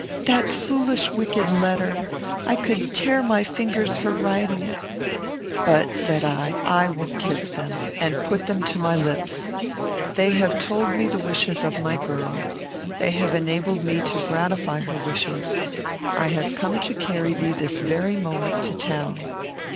That foolish, wicked letter I could tear my fingers for writing it." "But," said I, "I will kiss them;" and put them to my lips. "They have told me the wishes of my girl. They have enabled me to gratify her wishes. I have come to carry thee this very moment to town."